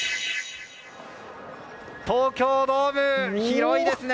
東京ドーム、広いですね。